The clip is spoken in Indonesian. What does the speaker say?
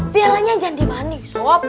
pialanya jangan dibanting sob